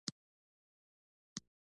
فعل پر ساده او مرکب وېشل سوی دئ.